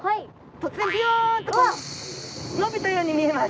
突然びょんとこう伸びたように見えます。